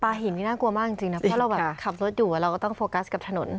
หินนี่น่ากลัวมากจริงนะเพราะเราแบบขับรถอยู่เราก็ต้องโฟกัสกับถนน